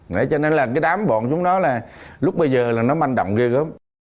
đấy cho nên là cái đám bọn chúng nó là lúc bây giờ là nó manh động ghê gớm